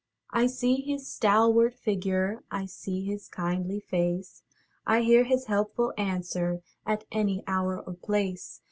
I see his stalwart figure, I see his kindly face, I hear his helpful answer At any hour or place.